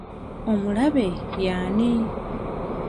Omulabe y'ani?